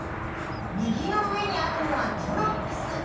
みぎのうえにあるのはドロップス。